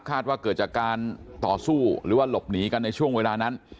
ว่าเกิดจากการต่อสู้หรือว่าหลบหนีกันในช่วงเวลานั้น